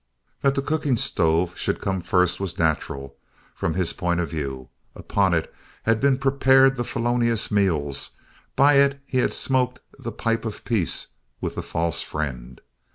That the cooking stove should come first was natural, from his point of view. Upon it had been prepared the felonious meals, by it he had smoked the pipe of peace with the false friend.